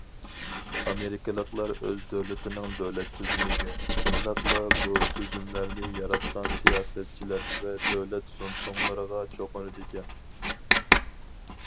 ئامېرىكىلىقلار ئۆز دۆلىتىنىڭ دۆلەت تۈزۈمىگە، شۇنداقلا بۇ تۈزۈملەرنى ياراتقان سىياسەتچىلەر ۋە دۆلەت زۇڭتۇڭلىرىغا چوقۇنىدىكەن.